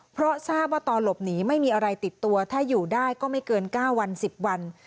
เพราะทราบว่าตอนหลบหนีไม่มีอะไรติดตัวถ้าอยู่ได้ก็ไม่เกิน๙วัน๑๐วัน